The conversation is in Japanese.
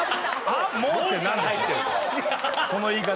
その言い方